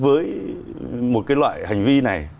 với một cái loại hành vi này